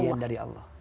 pemberian dari allah